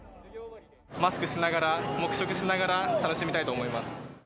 マスクしながら、黙食しながら楽しみたいと思います。